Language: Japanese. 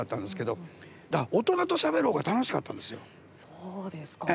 そうですか。